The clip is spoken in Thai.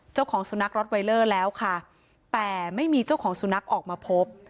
เจ้าของสุนัขรถไวเลอร์แล้วค่ะแต่ไม่มีเจ้าของสุนัขออกมาพบ